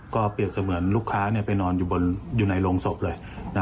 ก็เปรียบเสมือนลูกค้าไปนอนอยู่ในโรงศพเลย